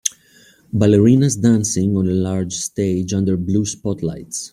Ballerinas dancing on a large stage under blue spotlights.